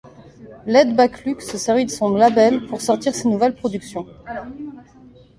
Laidback Luke se servit de son label pour sortir ses nouvelles productions.